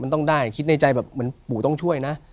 มันต้องได้คิดในใจแบบเหมือนปู่ต้องช่วยนะ